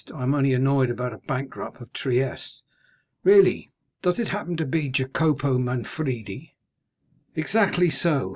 I am only annoyed about a bankrupt of Trieste." "Really? Does it happen to be Jacopo Manfredi?" "Exactly so.